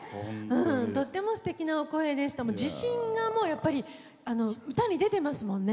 とってもすてきなお声で、しかも自信がやっぱり歌に出てますもんね。